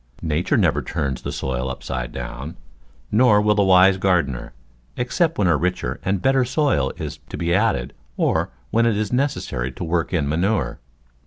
Nature never turns the soil upside down ; nor will the wise gardener, except when a richer and better soil is to be added or when it is necessary to work in manure.